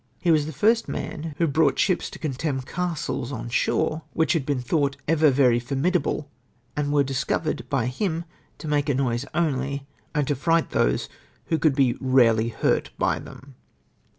He was the first man who brought ships to contemn castles on shore, which had been thought ever very formidable, and were discovered by him to maJiC a noise only, and to fright those ivho could be rarclij hurt bg them.''''